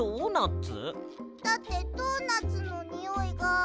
だってドーナツのにおいが。